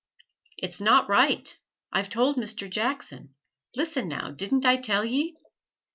It's not right. I've told Mr. Jackson. Listen now, didn't I tell ye?"